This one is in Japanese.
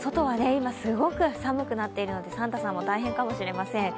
今すごく寒くなっているのでサンタさんも大変かもしれません。